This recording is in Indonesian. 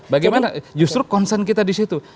bagaimana justru concern kita di situ